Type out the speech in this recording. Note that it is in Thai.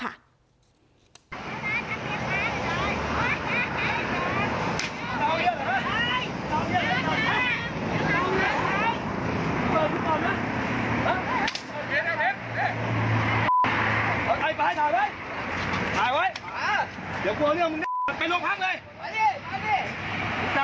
หล่าไว้อย่ากลัวเรื่องมึงไปลงพักเลย